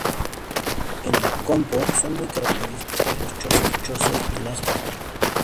En el campo son muy característicos los chozos y las cortinas.